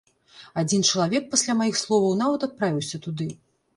Адзін чалавек пасля маіх словаў нават адправіўся туды.